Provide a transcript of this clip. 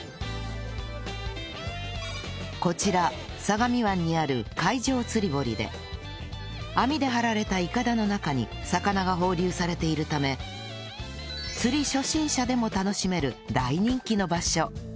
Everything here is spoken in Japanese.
こちら相模湾にある海上釣り堀で網で張られたイカダの中に魚が放流されているため釣り初心者でも楽しめる大人気の場所